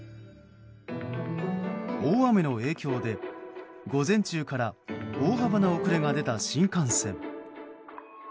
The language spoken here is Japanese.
大雨の影響で、午前中から大幅な遅れが出た新幹線。